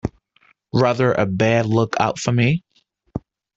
Rather a bad look-out for me!